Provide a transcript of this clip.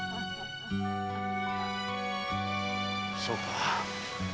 そうか。